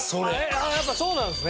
ああやっぱそうなんですね。